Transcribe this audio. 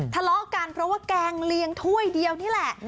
ทะเลาะกันเพราะว่าแกงเลี้ยงถ้วยเดียวนี่แหละ